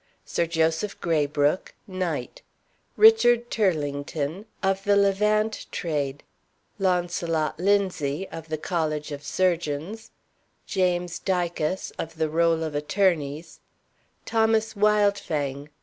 Sir Joseph Graybrooke. ........ .(Knight) Richard Turlington .... (Of the Levant Trade) Launcelot Linzie . .(Of the College of Surgeons) James Dicas. .... .(Of the Roll of Attorneys) Thomas Wildfang.